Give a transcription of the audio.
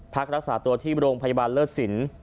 พรรครันตรวจตัวที่โรงพยาบาลเลิศสิน